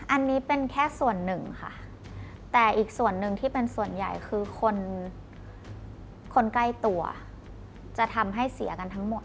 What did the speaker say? อันนี้เป็นแค่ส่วนหนึ่งค่ะแต่อีกส่วนหนึ่งที่เป็นส่วนใหญ่คือคนคนใกล้ตัวจะทำให้เสียกันทั้งหมด